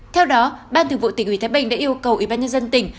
theo đó ban thường vụ tỉnh ủy thái bình đã yêu cầu ủy ban nhân dân tỉnh